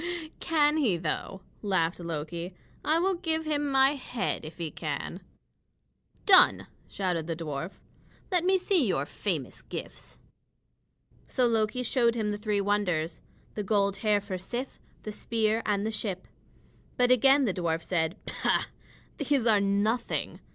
"Can he, though?" laughed Loki. "I will give him my head if he can." "Done!" shouted the dwarf. "Let me see your famous gifts." So Loki showed him the three wonders: the gold hair for Sif, the spear, and the ship. But again the dwarf said: "Pooh! These are nothing.